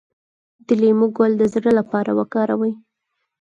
د لیمو ګل د زړه لپاره وکاروئ